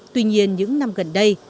tuy nhiên những năm gần đây